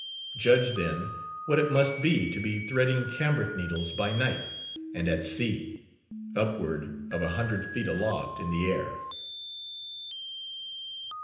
Judge, then, what it must be to be threading cambric needles by night, and at sea, upward of a hundred feet aloft in the air.